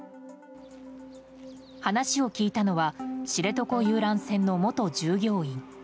話を聞いたのは知床遊覧船の元従業員。